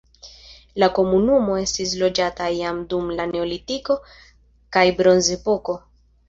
La komunumo estis loĝata jam dum la neolitiko kaj bronzepoko.